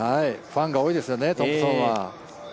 ファンが多いですよね、トンプソンは。